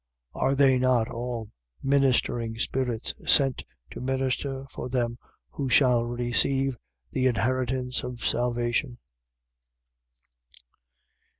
1:14. Are they not all ministering spirits, sent to minister for them who shall receive the inheritance of salvation?